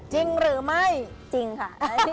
จริงหรือไม่จริงค่ะ